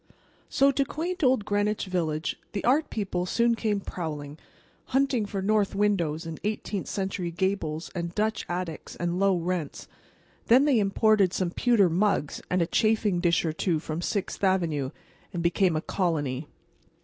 So, to quaint old Greenwich Village the art people soon came prowling, hunting for north windows and eighteenth century gables and Dutch attics and low rents. Then they imported some pewter mugs and a chafing dish or two from Sixth avenue, and became a "colony."